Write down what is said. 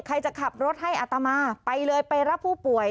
ใครจะขับรถให้อัตมาไปเลยไปรับผู้ป่วย